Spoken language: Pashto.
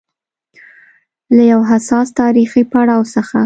له يو حساس تاریخي پړاو څخه